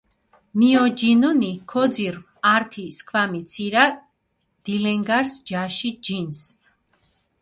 მიოჯინჷნი, ქოძირჷ ართი სქვამი ცირა დილენგარს ჯაში ჯინს.